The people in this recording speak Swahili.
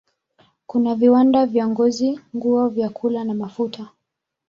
Kuna viwanda vya ngozi, nguo, vyakula na mafuta.